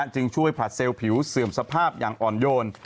จึงช่วยผัดเซลล์ผิวเสื่อมสภาพอย่างอ่อนโยน